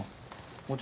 お茶